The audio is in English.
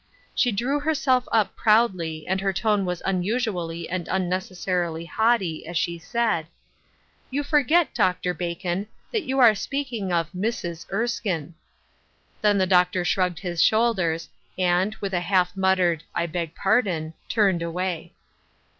She drew herself up proudly, and her tone was un usually and unnecessarily haughty as she said :" You forget, Dr. Bacon, that you are speak ing of Mrs. ErskineP Then the doctor shrugged his shoulders, and, 216 Ruth Erskine's Crosses. with a half muttered "I beg pardon/' turned away.